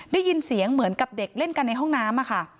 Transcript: ได้ยินเสียงเหมือนกับเด็กเล่นกันในห้องน้ำค่ะ